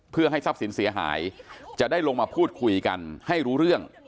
เพื่อให้ทรัพย์สินเสียหายจะได้ลงมาพูดคุยกันให้รู้เรื่อง